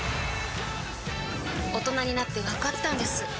大人になってわかったんです